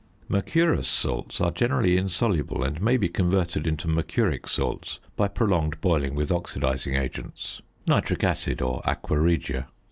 Mercurous salts are generally insoluble, and may be converted into mercuric salts by prolonged boiling with oxidising agents (nitric acid or aqua regia).